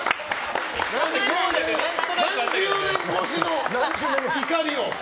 何十年越しの怒りを。